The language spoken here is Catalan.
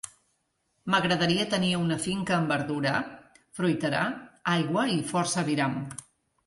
M'agradaria tenir una finca, amb verdura, fruiterar, aigua i força viram.